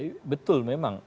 iya betul memang